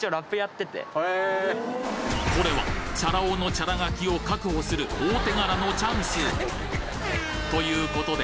これはチャラ男のチャラ書きを確保する大手柄のチャンスということで